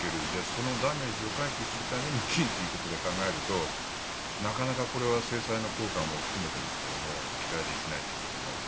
そのダメージを回避するために金ということで考えるとなかなかこれは制裁の効果も含めてですけども期待できないということになる。